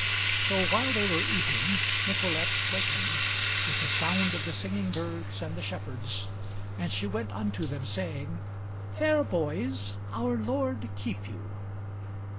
So while they were eating, Nicolete wakened, with the sound of the singing birds, and the shepherds, and she went unto them, saying, "Fair boys, our Lord keep you!"